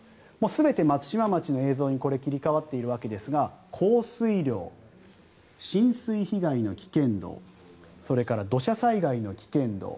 全て松島町の映像に切り替わっているわけですが降水量、浸水被害の危険度それから土砂災害の危険度